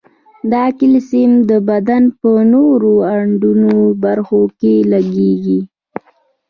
دا کلسیم د بدن په نورو اړوندو برخو کې لګیږي.